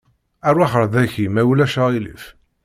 Aṛwaḥ ar daki ma ulac aɣilif.